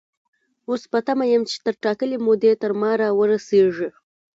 اوس په تمه يم چې تر ټاکلې مودې تر ما را ورسيږي.